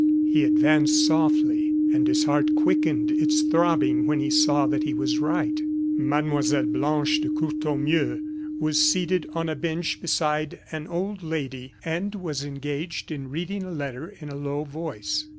He advanced softly, and his heart quickened its throbbing when he saw that he was right. Mlle. Blanche de Courtornieu was seated on a bench beside an old lady, and was engaged in reading a letter in a low voice.